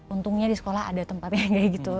untungnya di sekolah ada tempatnya kayak gitu